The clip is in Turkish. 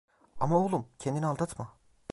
Ama oğlum, kendini aldatma.